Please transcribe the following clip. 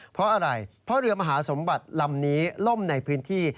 เพราะอะไรเพราะเรือมหาสมบัติลำนี้ล่มในพื้นที่